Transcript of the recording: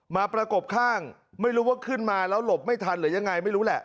ประกบข้างไม่รู้ว่าขึ้นมาแล้วหลบไม่ทันหรือยังไงไม่รู้แหละ